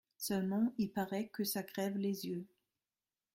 Seulement, il paraît que ça crève les yeux.